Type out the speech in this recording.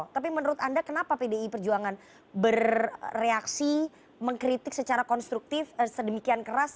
tapi menurut anda kenapa pdi perjuangan bereaksi mengkritik secara konstruktif sedemikian keras